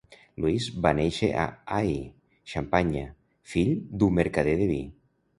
Louis va néixer a Ay, Xampanya, fill d'un mercader de vi.